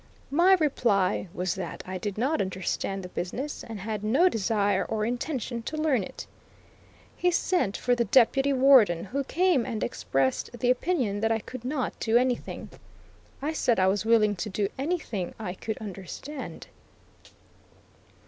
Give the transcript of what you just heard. My reply was that I did not understand the business, and had no desire or intention to learn it. He sent for the Deputy Warden, who came and expressed the opinion that I could not do anything. I said I was willing to do anything I could understand.